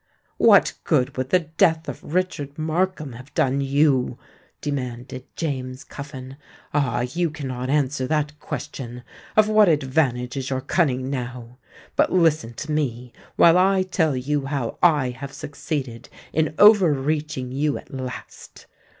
"What good would the death of Richard Markham have done you?" demanded James Cuffin. "Ah! you cannot answer that question! Of what advantage is your cunning now? But listen to me, while I tell you how I have succeeded in over reaching you at last.